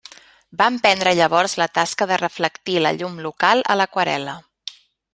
Va emprendre llavors la tasca de reflectir la llum local a l'aquarel·la.